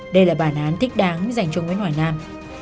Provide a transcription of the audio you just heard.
đây là bản án thích đáng dành cho nguyễn hỏi nam